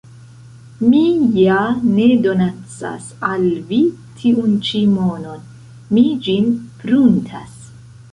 Mi ja ne donacas al vi tiun ĉi monon, mi ĝin pruntas.